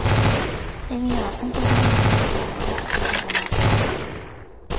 Tebigatyň gözelliginden gözüňi aýyrasyň gelenok.